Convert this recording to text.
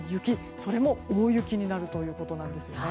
それも大雪になるということです。